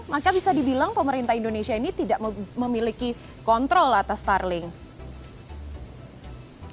maka bisa dibilang pemerintah indonesia ini tidak memiliki kontrol atas starling